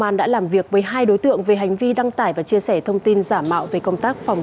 an đã làm việc với hai đối tượng về hành vi đăng tải và chia sẻ thông tin giả mạo về công tác phòng